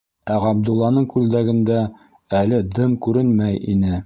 Ә Ғабдулланың күлдәгендә әле дым күренмәй ине.